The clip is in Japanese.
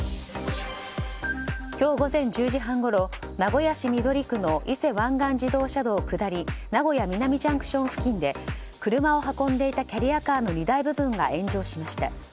今日午前１０時半ごろ名古屋市緑区の伊勢湾岸自動車道下り名古屋南ＪＣＴ付近で車を運んでいたキャリアカーの荷台部分が炎上しました。